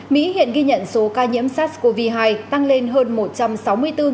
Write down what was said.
mỹ hiện ghi nhận số ca nhiễm sars cov hai tăng lên hơn một trăm sáu mươi bốn ca